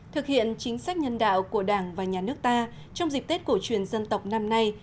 thực hiện chính sách nhân đạo của đảng và nhà nước ta trong dịp tết cổ truyền dân tộc năm nay